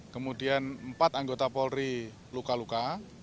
kemudian empat anggota polri luka luka